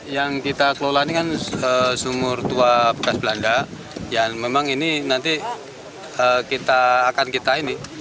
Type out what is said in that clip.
yang kita kelola ini kan sumur tua bekas belanda yang memang ini nanti kita akan kita ini